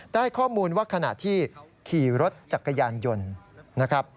ได้ข้อมูลว่าขนาดที่ขี่รถจักรยานยนต์